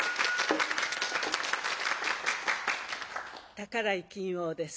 宝井琴桜です。